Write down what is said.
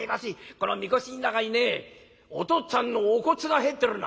この神輿の中にねお父っつぁんのお骨が入ってるんだ。